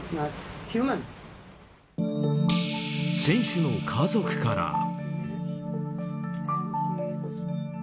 選手の家族から。